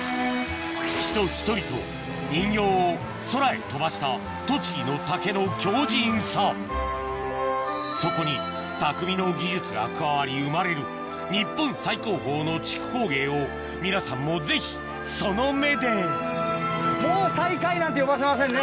人１人と人形を空へ飛ばしたそこに匠の技術が加わり生まれる日本最高峰の竹工芸を皆さんもぜひその目でもう最下位なんて呼ばせませんね。